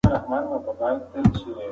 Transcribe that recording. دا مسیحا هیڅکله کومه بې ځایه معجزه نه کوي.